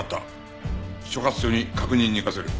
所轄署に確認に行かせる。